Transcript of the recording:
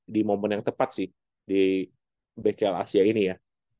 di momen yang tepat sih di bcl asia ini ya